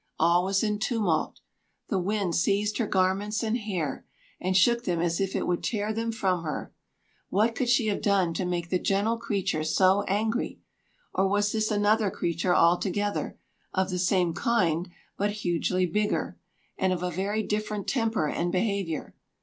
All was in tumult. The wind seized her garments and hair, and shook them as if it would tear them from her. What could she have done to make the gentle creature so angry? Or was this another creature altogether of the same kind, but hugely bigger, and of a very different temper and behavior?